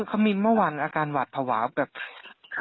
เขามีเมื่อวันอาการหวาดภาวะแบบ